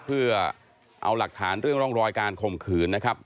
เพื่อเอาหลักฐานเรื่องร่องรอยการข่มขืนนะครับ